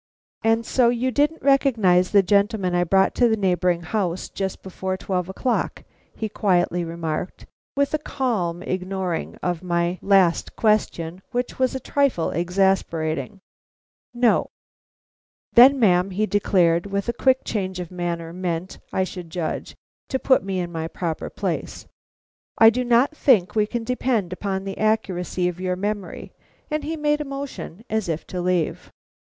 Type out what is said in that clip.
"And so you didn't recognize the gentleman I brought to the neighboring house just before twelve o'clock," he quietly remarked, with a calm ignoring of my last question which was a trifle exasperating. "No." "Then, ma'am," he declared, with a quick change of manner, meant, I should judge, to put me in my proper place, "I do not think we can depend upon the accuracy of your memory;" and he made a motion as if to leave.